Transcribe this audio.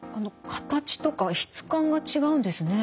形とか質感が違うんですね。